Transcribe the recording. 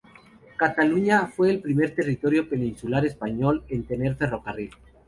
Cataluña fue el primer territorio peninsular español en tener ferrocarril.